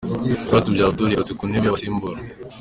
Rwatubyaye Abdul yagarutse ku ntebe y'abasimbura.